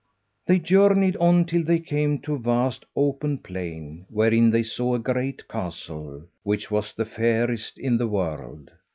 They journeyed on till they came to a vast open plain, wherein they saw a great castle, which was the fairest in the world.